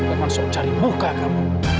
langsung cari muka kamu